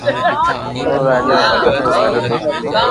او راجا او ڀگت رو گھرو دوست ھتو